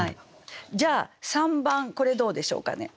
じゃあ３番これどうでしょうかね。